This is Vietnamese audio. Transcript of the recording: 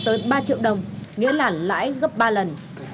có thể lên tới ba triệu đồng nghĩa là lãi gấp ba lần